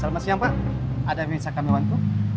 selamat siang pak ada misalkan temanku